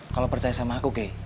kalau percaya sama aku oke